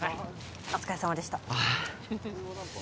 お疲れさまでしたああ